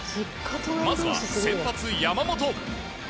まずは先発、山本。